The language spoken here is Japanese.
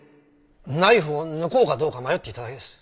ナイフを抜こうかどうか迷っていただけです。